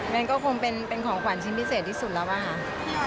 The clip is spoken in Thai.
มันก็คงเป็นของขวัญชิ้นพิเศษที่สุดรับบ้าง